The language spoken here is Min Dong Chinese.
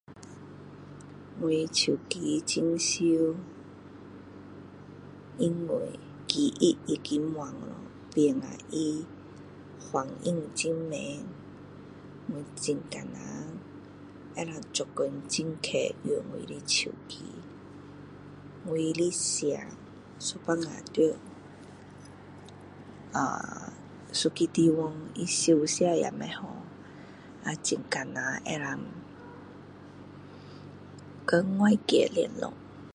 我手机很常以为记忆已经满了变成他反应很慢我很难能够做工很快用我的手机我的线有时在呃一个地方他收线也不好很难能够跟外界联络